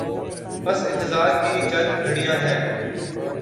بس انتظار کی چند گھڑیاں ہیں۔